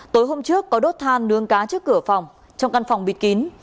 tối hôm trước có đốt than nướng cá trước cửa phòng trong căn phòng bịt kín